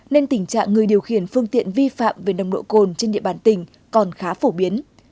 nên tình trạng người điều khiển phương tiện vi phạm về nồng độ cồn trên địa bàn tỉnh còn khá phổ biến